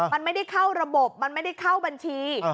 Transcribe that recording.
มันไม่ได้เข้าระบบมันไม่ได้เข้าบัญชี